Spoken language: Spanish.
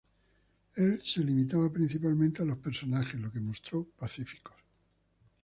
Él se limitaba principalmente a los personajes, los que mostró pacíficos.